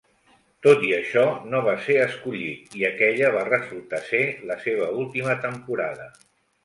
Tot i això, no va ser escollit i aquella va resultar ser la seva última temporada.